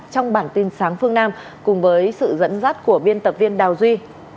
trong bản tin sáng phương nam cùng với sự dẫn dắt của biên tập viên đào duy